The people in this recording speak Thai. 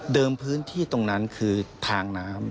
พื้นที่ตรงนั้นคือทางน้ำ